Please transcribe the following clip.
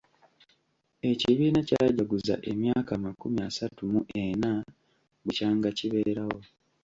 Ekibiina kyajaguzza emyaka amakumi asatu mu ena bukya nga kibeerawo.